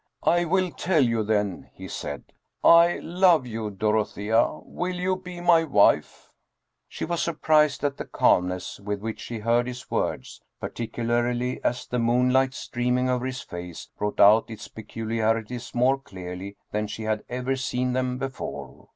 " I will tell you then," he said. " I love you, Dorothea ; will you be my wife ?" She was surprised at the calmness with which she heard his words, particularly as the moonlight streaming over his face brought out its peculiarities more clearly than she had ever seen them before.